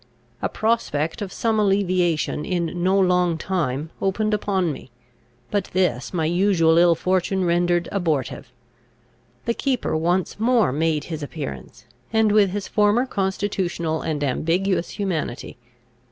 A prospect of some alleviation in no long time opened upon me; but this my usual ill fortune rendered abortive. The keeper once more made his appearance, and with his former constitutional and ambiguous humanity.